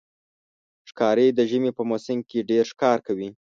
ښکاري د ژمي په موسم کې ډېر ښکار کوي.